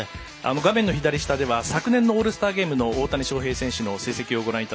画面の左下は昨年のオールスターゲームでの大谷翔平選手の成績です。